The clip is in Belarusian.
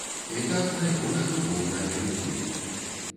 І так найбольш выгодна для людзей.